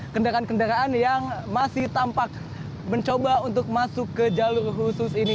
kendaraan kendaraan yang masih tampak mencoba untuk masuk ke jalur khusus ini